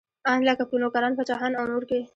ان لکه په نوکران، پاچاهان او نور کې.